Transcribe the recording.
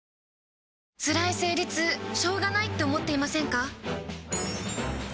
つらい生理痛しょうがないって思っていませんか？